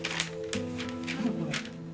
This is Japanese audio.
何これ？